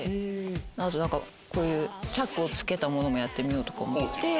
あと何かこういうチャックをつけたものもやってみようとか思って。